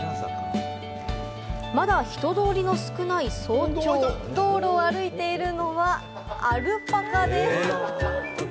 まだ人通りの少ない早朝、道路を歩いているのはアルパカです。